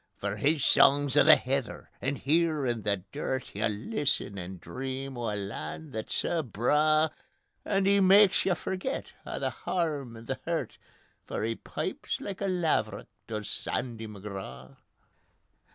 For his song's o' the heather, and here in the dirt You listen and dream o' a land that's sae braw, And he mak's you forget a' the harm and the hurt, For he pipes like a laverock, does Sandy McGraw. ..